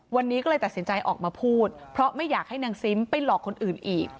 วันนี้ก็เลยตัดสินใจออกมาพูดเพราะไม่อยากให้นางซิมไปหลอกคนอื่นอีก